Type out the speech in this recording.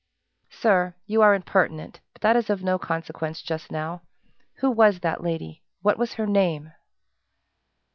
"Sir, you are impertinent, but that is of no consequence, just now. Who was that lady what was her name?"